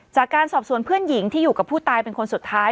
จากการสอบสวนเพื่อนหญิงที่อยู่กับผู้ตายเป็นคนสุดท้าย